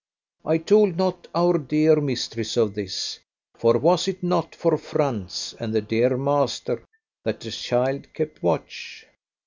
I told not our dear mistress of this, for was it not for Franz and the dear master that the child kept watch?